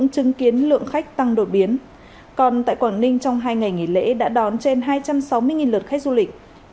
còn tại quảng ninh trong hai ngày nghỉ lễ đã đón trên hai trăm sáu mươi lượt khách du lịch